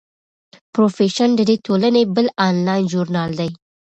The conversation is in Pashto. پروفیشن د دې ټولنې بل انلاین ژورنال دی.